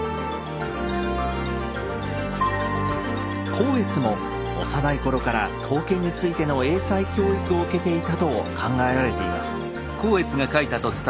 光悦も幼い頃から刀剣についての英才教育を受けていたと考えられています。